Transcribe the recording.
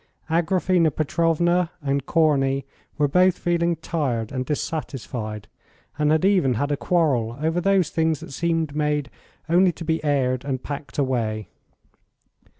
Agraphena Petrovna and Corney were both feeling tired and dissatisfied, and had even had a quarrel over those things that seemed made only to be aired and packed away.